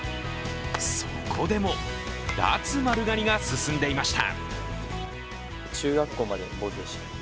そこでも脱丸刈りが進んでいました。